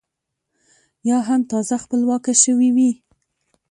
یا هم تازه خپلواکه شوې وي.